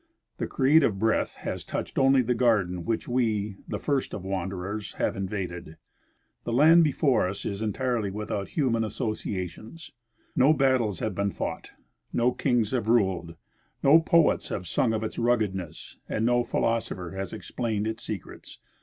The creative breath has touched only the garden which we, the first of wanderers, have invaded. The land before us is entirely Avithout human associations. No battles have there been fought, no kings have ruled, no poets have sung of its ruggedness, and no philosopher has explained its secrets.